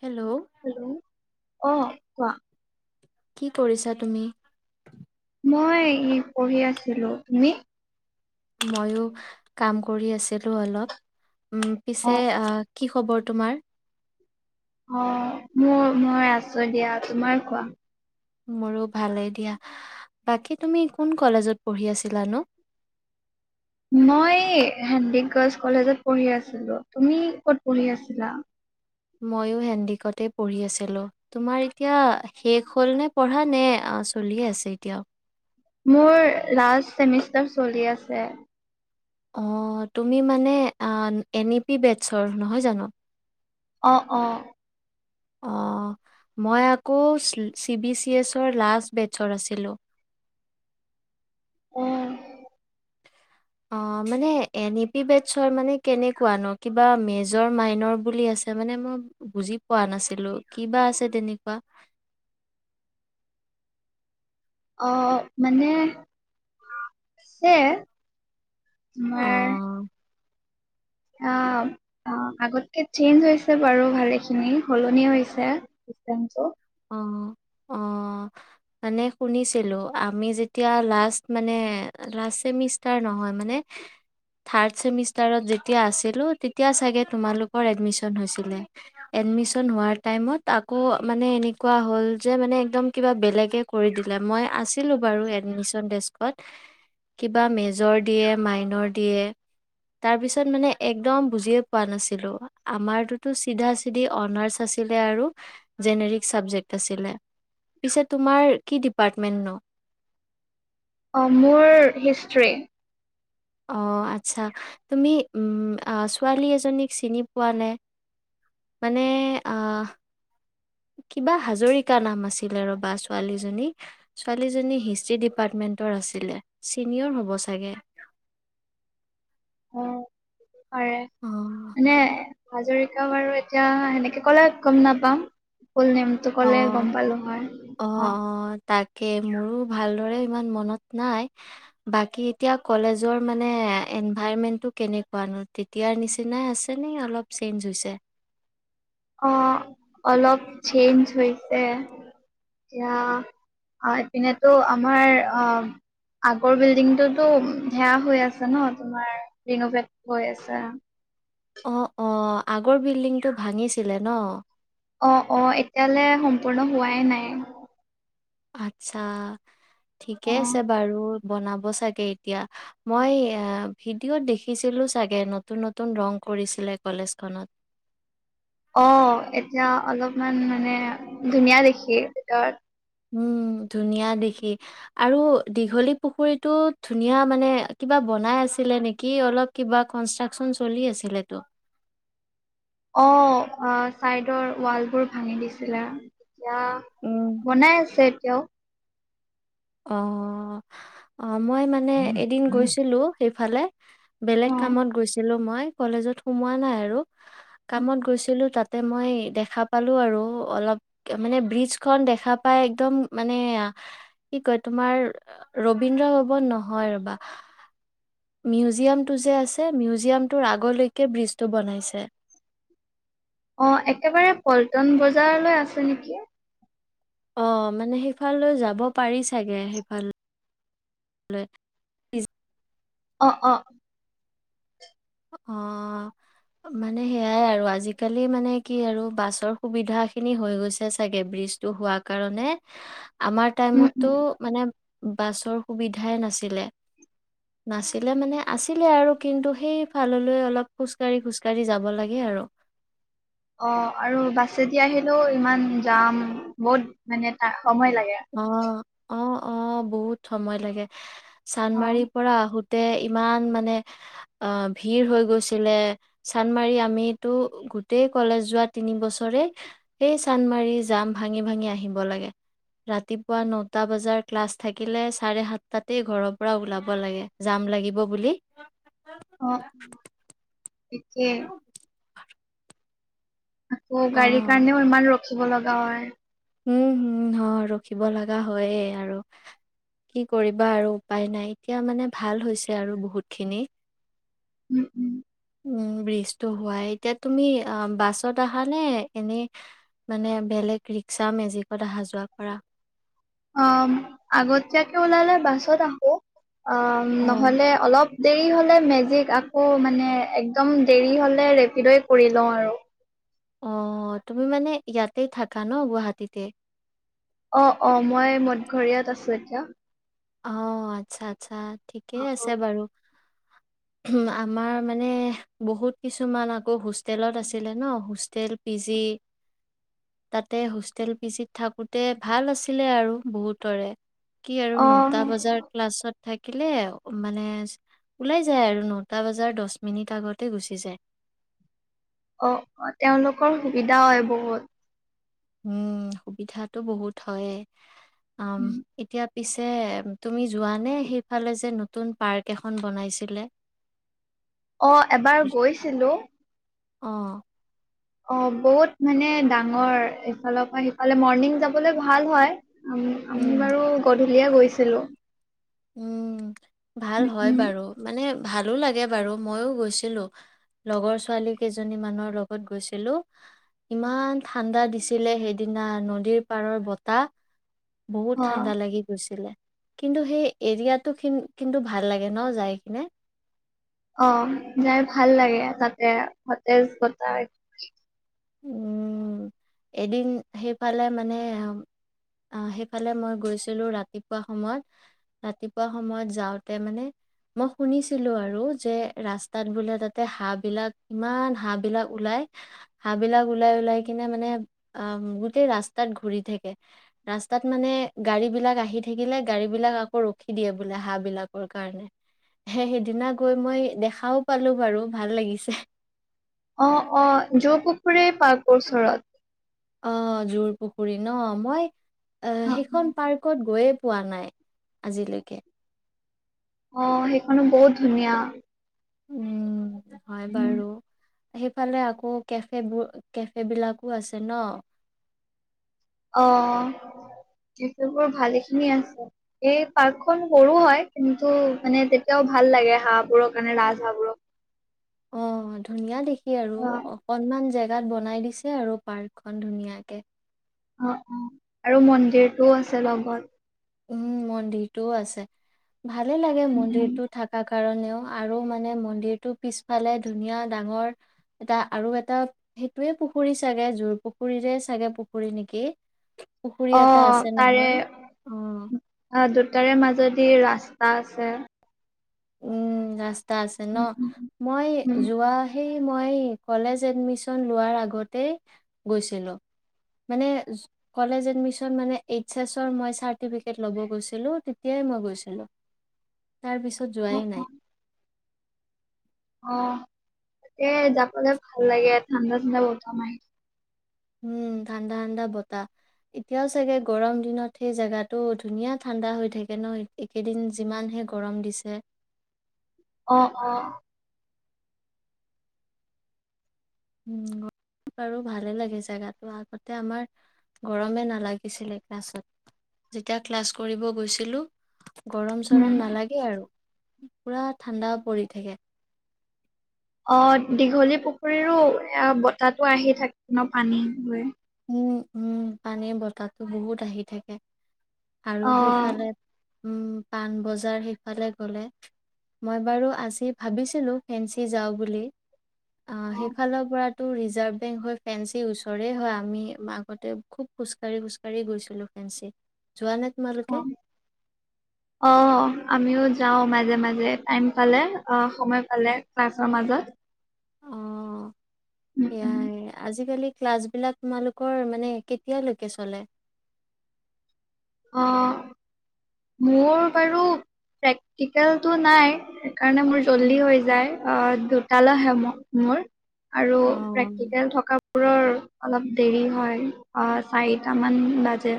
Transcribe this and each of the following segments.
Hello hello অ কোৱা কি কৰিছা তুমি মই এই পঢ়ি আছিলোঁ, তুমি? ময়ো কাম কৰি আছিলোঁ অলপ। উম, পিছে অ', কি খবৰ তোমাৰ। অ', মোৰ মই আছোঁ দিয়া, তোমাৰ কোৱা। মোৰো ভালেই দিয়া, বাকী তুমি কোন কলেজত পঢ়ি আছিলানো? মই হেণ্ডিক গাৰ্লছ কলেজত পঢ়ি আছিলোঁ, তুমি ক'ত পঢ়ি আছিলা? ময়ো হেণ্ডিকতেই পঢ়ি আছিলোঁ, তোমাৰ এতিয়া শেষ হ'ল নে পঢ়া নে চলিয়ে আছে এতিয়াও? মোৰ লাষ্ট চেমিষ্টাৰ চলি আছে। অ', তুমি মানে এন ই পি বেটছৰ, নহয় জানো? অ', অ'। অ মই আকৌ চি বি চি এছৰ লাষ্ট বেচত আছিলোঁ উ অ মানে এন পি বেটছৰ মানে কেনেকুৱা ন কিবা মেজৰ মাইন বুলি আছে মানে মই বুজি পোৱা নাছিলো কিবা আছে তেনেকুৱা আহ মানে আচে মাৰ অ' অ অ আগতকে চেঞ্জ হৈছে বাৰু ভালেখিনি সলনি হৈছে চিচতেম অ অ মানে শুনিছিলো আমি যেতিয়া লাষ্ট মানে লাষ্ট চেমিষ্টাৰ নহয় মানে থাৰ্ড চেমিষ্টাৰত যেতিয়া আছিলো তেতিয়া চাগে তোমালোকৰ এডমিশ্ন হৈছিলে এডমিশন হোৱাৰ টাইমত আকৌ মানে এনে কোৱা হ'ল যে মানে একদম কিবা বেলেগে কৰি দিলে মই আছ আছিলো বাৰু এডমিশন ডেস্কত কিবা মেজৰ দিয়ে মাইনৰ দিয়ে তাৰ পিছত মানে একদম বুজিয়ে পোৱা নাছিলো আমাৰতোতো চিধা চিধি অনাৰ্চ আছিলে আৰু জেনেৰিক চাবজেক্ট আছিলে পিছে তোমাৰ কি ডিপাৰ্টমেণ্টনো অ মোৰ হিষ্টষ্ট্ৰ্ৰী অ আচ্ছা তুমি উ ছোৱালী এজনীক চিনি পোৱা নে মানে আহ কিবা হাজৰিকা নাম আছিলে ৰবা ছোৱালীজনী ছোৱালীজনী হিষ্টী ডিপাৰ্টমেন্টৰ আছিলে ছিনিয়ৰ হ'ব চাগে উ পাৰে অ মানে হাজৰিকা বাৰু এতিয়া সেনেকে কলে গম নাপাওঁ ফল নেমটো অ ক'লে গম পালো হয় অ তাকে মোৰো ভালদৰে ইমান মনত নাই বাকী এতিয়া কলেজৰ মানে এনভাইৰমেণ্টটো কেনেকুৱানো তেতিয়াৰ নিচিনাই আছে নি অলপ চেঞ্জ হৈছে অ অলপ চেইঞ্জ হৈছে এতিয়া এপিনেতো আমাৰ অ আগৰ বিল্ডিংটোতো ধেয়া হৈ আছে ন তোমাৰ ৰিনভট হৈ আছে অ অ আগৰ বিল্ডিংটো ভাঙিছিলে ন অ অ এতিয়ালৈ সম্পূৰ্ণ হোৱাই নাই আচ্ছা ঠিকে অ আছে বাৰু বনাব চাগে এতিয়া মই ভিডিঅ'ত দেখিছিলো চাগে নতুন নতুন ৰং কৰিছিলে কলেজখনত অ এতিয়া অলপমান মানে ধুনীয়া দেখি ভিতৰত উম ধুনীয়া দেখি আৰু দীঘলী পুখুৰীটো ধুনীয়া মানে কিবা বনাই আছিলে নেকি অলপ কিবা কনষ্ট্ৰাকচন চলি আছিলেতো অ চাইডৰ ৱাল বোৰ ভাঙি দিছিলে এতিয়া উম বনাই আছে কিয় অ অ মই মানে এদিন গৈছিলোঁ সেইফালে অ বেলেগ কামত গৈছিলো মই কলেজত সোমোৱা নাই আৰু কামত গৈছিলো তাতে মই দেখা পালো আৰু অলপ মানে ব্ৰিজ খ দেখা পাই একদম মানে কি কয় তোমাৰ ৰবীন্দ্ৰ ভৱন নহয় ৰবা মিউজিয়ামটো যে আছে মিউজিয়ামটোৰ আগলৈকে ব্ৰিজটো বনাইছে অ একেবাৰে পল্টন বজাৰলৈ আছে নেকি অ মানে সেইফাললৈ যাব পাৰি চাগে সেইফাল অ অ অ মানে সেইয়াই আৰু আজিকালি মানে কি আৰু বাছৰ সুবিধা খিনি হৈ গৈছে চাগে ব্ৰিজটো হোৱা কাৰণে আমাৰ উম টাইমতটো উম মানে বাছৰ সুবিধাই নাছিলে নাছিলে মানে আছিলে আৰু কিন্তু সেই ফাললৈ অলপ খোজকাঢ়ি খোজ কঢ়ি যাব লাগে আৰু অ আৰু বাছেদি আহিলেও ইমান যাম বহুত মানে তা সময় লাগে অ', অ অ বহুত সময় লাগে অ চান্দমাৰীৰ পৰা আহোত তে ইমান মানে আহ ভিৰ হৈ গৈছিলে, চান্দমাৰি আমিতো গোটেই কলেজ যোৱা তিনি বছৰে সেই চান্দমাৰি যাম ভাঙি ভাঙি আহিব লাগে ৰাতিপুৱা নটা বজাৰ ক্লাছ থাকিলে চাৰে সাতটাতেই ঘৰৰ পৰা ওলাব লাগে যাম লাগিব বুলি অ এতিয়া [unintelligible] আকৌ গাড়ীৰ অ', কাৰণেও অলমান ৰ চিব লগা হয় উম হম হ ৰখিব লগা হয়েই আৰু, কি কৰিবা আৰু উপায় নাই এতিয়া মানে ভাল হৈছে আৰু বহুত খিনি উম উম উম ব্ৰিজটো হোৱাই এতিয়া তুমি বাছত আহা নে এনেই মানে বেলেগ ৰিক্সা মেজিকত অহা যোৱা কৰা? অ আগতীয়াকে ওলালে বাছত আহো অ অ', নহ'লে অলপ দেৰি হ'লে মেজিক আকৌ মানে একদম দেৰি হ'লে ৰেপিডো কৰি লওঁ আৰু অ তুমি মানে ইয়াতে থাকা ন গুৱাহাটীতে? অ অ মই মদঘৰীয়াত আছো এতিয়া। অ আচ্ছা আচ্ছা। ঠিকেই আছে বাৰু উম আমাৰ মানে বহুত কিছুমান আকৌ হোষ্টেলত আছিলে ন হোষ্টেল, পি জি তাতে হোষ্টেল পি জিত থাকোতে ভাল আছিলে আৰু বহুতৰে কি আৰু অ নত এটা অ বজাৰ ক্লাছত থাকিলে মানে ওলাই যায় আৰু নটা বজাৰ দহ মিনিট আগতে গুচি যায় অ তেওঁলোকৰ সুবিধা হয় বহুত উম সুবিধাতটো বহুত হয়ে, উম, এতিয়া পিছে তুমি যোৱাানে সেইফালে যে নতুন পাৰ্ক এখন বনাইছিলে? অ এবাৰ গৈছিলো আহ অ বহুত মানে ডাঙৰ এইফালৰ পৰা সিফালে মৰ্ণিং যাবলৈ ভাল হয় ম আমি উম, বাৰু গ- দুলিয়া গৈছিলো উম ভাল উম হয় উম বাৰু মানে ভালো লাগে বাৰু মইও গৈছিলো। লগৰ ছোৱালী কেইজনী মানৰ লগত গৈছিলো। ইমান ঠাণ্ডা দিছিলে সেইদিনা নদীৰ পাৰৰ বতাহ বহুত অ ঠাণ্ডা লাগি গৈছিলে কিন্তু সেই এৰিয়াটো কিন্তু ভাল লাগে ন যাই কিনে অ যাই ভাল লাগে তাতে সতেজ বতাহ। উম এদিন সেইফালে মানে আহ সেইফালে মই গৈছিলো ৰাতিপুৱা সময়ত ৰাতিপুৱা সময়ত যাওঁতে মানে মই শুনিছিলো আৰু যে ৰাস্তাত বোলে তাতে হাঁহ বিলাক ইমান হাঁহ বিলাক ওলাই হাঁহ বিলাক ওলাই ওলাই কিনে মানে আহ গোটেই ৰাস্তাত ঘুৰি থাকে ৰাস্তাত মানে গাড়ী বিলাক আহি থাকিলে গাড়ী বিলাক আকৌ ৰখি দিয়ে বোলে হাঁহ বিলাকৰ কাৰণে সেইদিনা গৈ মই দেখাও পালো বাৰু ভাল লাগিছে অ অ যৌপুখুৰে পাৰ্কৰৰ ওচৰত অ জোৰ পুখুৰী ন মই অ অ সেইখন পাৰ্কত গৈ পোৱা নাই আজিলৈকে অ সেইখনো বহুত ধুনীয়া উম হয় উম, বাৰু সেইফালে আকৌ কেফেোৰ কেফে বিলাকো আছে ন অ সেইবোৰ ভাল খিনি আছে এই পাৰ্কখন সৰুো হয় কিন্তু মানে তেতিয়াও ভাল লাগে হাঁহ বোৰক মানে ৰাজ হাঁহ বোৰক অ ধুনীয়া দেখ কি আৰু অকনমান জে জ গাত বনাই দিছে আৰু পাৰ্কখনন ধুনীয়াকে অ অ আৰু মন্দিৰটোও আছে লগত উম মন্দিৰটোও আছে ভালে লাগে উম, উম, মন্দিৰতটো থকা কাৰণেও আৰু মানে মন্দিৰটো পিছফালে ধুনীয়া ডাঙৰ এটা আৰু এটা সেইটোয়ে পুখুৰী চাগে জোৰ পুখুৰীৰে চাগে পুখুৰী নেকি পুখুৰী এটা অ', আছে তাৰে নহয় অ দুটাৰে মাজত ৰাস্তা আছে উম আ আছে ন উম, উম, মই উম, যোৱা মই কলেজ এডমিশন লোৱাৰ আগতে গৈছিলো মানে কলেজ এডমিশন মানে এইচ এছ মই চাৰ্টিফিকেট লব গৈছিলো তেতিয়াই মই গৈছিলোি ো উম, যোৱাই অ', নাই অ তাকতে যাবলে ভাল লাগে ঠাণ্ডা ঠাণ্ডা ব্তমাৰি উম ঠাণ্ডা ঠাণ্ডা বতাহ এতিয়াও চাগে গৰম দিনত সেই জেগাটো ধুনীয়া ঠাণ্ডা হৈ থাকে ন একেদিন যিমানহে গৰম দিছে অ অ উ বাৰু ভালে লাগে জোগাতটো আগতে আমাৰ গৰমে নালাগিছিলে ক্লাছত যেতিয়া ক্লাছ কৰিব গৈছিলো গৰম উম, চৰম নালাগে আৰু পুৰা ঠাণ্ডা পৰি থাকে অ দীঘলী পুখুৰীৰো বতাহো আহি থাকে ন পানী গৰে উম উম পানীৰ বতাহটো বহুত আহি থাকে আৰু অ', সেইফালে পাণবজাৰ সেইফালে গ'লে মই বাৰু আজি ভাবিছিলো ফেঞ্চি যাওঁ বুলি অ সেইফালৰ পৰা টো ৰিজাৰ্ভ বেংক হৈ ফেঞ্চিৰ ওচৰে হয় আমি আগতে খুব খোজ কাঢ়ি খোজ কাঢ়ি গৈছিলো ফেঞ্চিত অঁ অঁ আমিও যাওঁ মাজে মাজে টাইম পালে অহ। সময় পালে ক্লাছৰ মাজত। অঁ। উম উম। সেয়াই আজিকালি ক্লাছ বিলাক তোমালোকৰ মানে কেতিয়ালৈকে চলে। অঁ মোৰ বাৰু প্ৰেক্টিকেলটো নাই। সেইকাৰণে মোৰ জল্দি উম। হৈ যায় অ দু কালহে মো মোৰ আৰু অঁ প্ৰেক্টিকেল থকাবোৰৰ অলপ দেৰি হয় অ চাৰিটামান বাজে।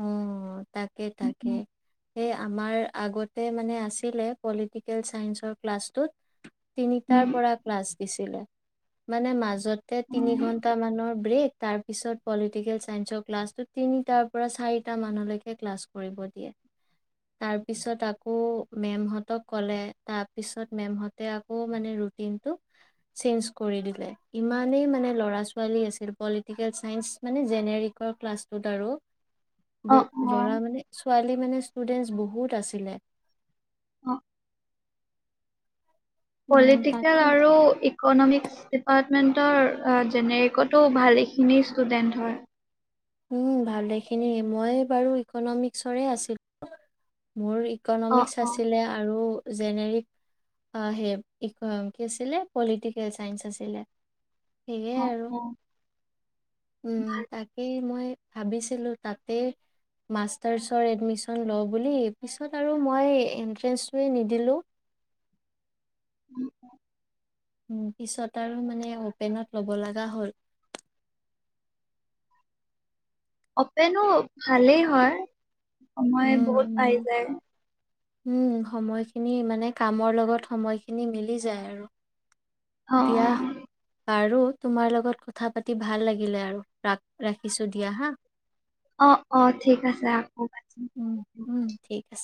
উম। তাকে তাকে। এ আমাৰ আগতে মানে আছিলে পলিটিকেল চাইন্ঞ্চৰ ক্লাছটোত। তিনিটাৰ উম পৰা ক্লাছ দিছিলে। মানে মাজত তে উম। তিনি ঘন্টা মানৰ ব্ৰেক। তাৰপিছত পলিটিকেল চাইন্সৰ ক্লাছটোত তিনিটা পৰা চাৰিটা মানলৈকে ক্লাছ কৰিব দিয়ে, তাৰপিছত আকৌ মেমহঁতক ক'লে তাৰপিছত মেমহঁতে আকৌ মানে ৰুটিনটো চেঞ্জ কৰি দিলে ইমানেই মানে ল'ৰা ছোৱালী আছিল পলিটিকেল চাইন্স মানে জেনেৰিকৰ ক্লাছটোত আৰু। অ [unintelligible] অ ল'ৰা মানে ছোৱালী মানে ষ্টুডেন্টছ বহুত আছিলে। অঁ উম পলিটিকেল তাকে। আৰু ইকনমিক্স ডিপাৰ্টমেণ্টৰ জেনেৰিকতো ভালেখিনি ষ্টুডেণ্ট হয়। উম ভালেখিনিয়ে, মই বাৰু ইকনমিক্সৰে আছিলো। মোৰ অ ইকনমিক্স অ আছিলে আৰু জেনেৰিক অ সেই ইক কি আছিলে পলিটিকেল চাইন্ঞ্চ আছিলে। সেয়ে অ আৰু অ। উম তাকে। মই ভাবিছিলোঁ তাতেই মাষ্টাৰছৰ এডমিশন লওঁ বুলি পিছত আৰু মই এন্ট্ৰেঞ্চটোৱে নিদিলোঁ। উম। পিছত আৰু মানে অপেনত ল'ব লগা হ'ল। অপেনো ভালেই হয়। সময় উম বহুত পাই উম যায়। উম সময়খিনি মানে কামৰ লগত সময়খিনি মিলি যায় আৰু। অঁ দিয়া অঁ। বাৰু তোমাৰ লগত কথা পাতি ভাল লাগিলে আৰু ৰা ৰাখিছো দিয়া হা। অঁ অঁ ঠিক আছে আকৌ পাতিম। উম উম ঠিক আছে